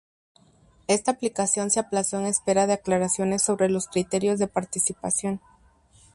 Esta aplicación se aplazó en espera de aclaraciones sobre los criterios de participación.